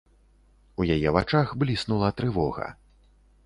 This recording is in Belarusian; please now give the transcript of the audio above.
У яе вачах бліснула трывога.